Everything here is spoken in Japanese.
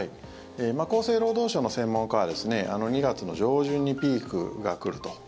厚生労働省の専門家は２月の上旬にピークが来ると。